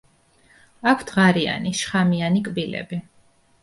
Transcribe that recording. აქვთ ღარიანი შხამიანი კბილები.